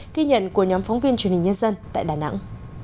ghi nhận của nhóm phóng viên truyền hình nhân dân tại đà nẵng